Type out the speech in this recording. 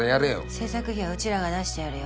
制作費はうちらが出してやるよ。